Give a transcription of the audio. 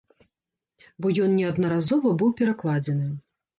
Бо ён неаднаразова быў перакладзены.